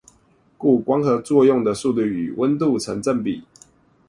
故光合作用速率與溫度成正比